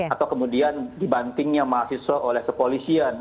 atau kemudian dibantingnya mahasiswa oleh kepolisian